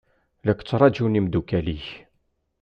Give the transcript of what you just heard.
La k-ttṛaǧun imeddukal-ik.